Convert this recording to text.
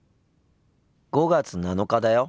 ５月７日だよ。